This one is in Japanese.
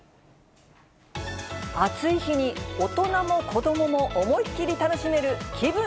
暑い日に大人も子どもも思いっ切り楽しめる気分